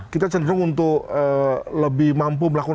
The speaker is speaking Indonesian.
kita cenderung untuk lebih mampu melakukan